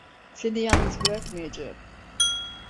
Seni yalnız bırakmayacağım.